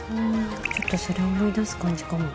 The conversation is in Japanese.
ちょっとそれを思い出す感じかも。